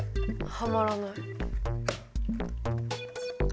はまらない。